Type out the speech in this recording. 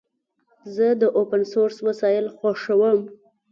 زه د اوپن سورس وسایل خوښوم.